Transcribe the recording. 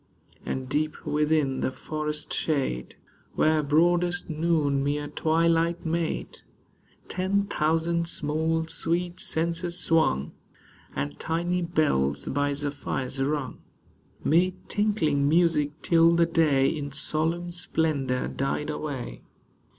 And deep within the forest shade, Where broadest noon mere twilight made, Ten thousand small, sweet censers swung, And tiny bells by zephyrs rung, Made tinkling music till the day In solemn splendor died away.